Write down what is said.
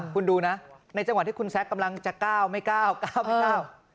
คุณดูนะในจังหวะที่คุณแซคกำลังจะก้าวไม่ก้าวเก้าไม่ก้าว